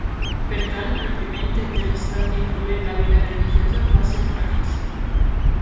Per tant, el primer intent de l'estat d'influir en la vida religiosa va ser un fracàs.